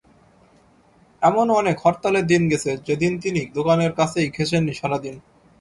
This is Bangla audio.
এমনও অনেক হরতালের দিন গেছে, যেদিন তিনি দোকানের কাছেই ঘেঁষেননি সারা দিন।